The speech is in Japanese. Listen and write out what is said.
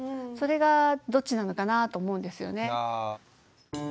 それがどっちなのかなと思うんですよね。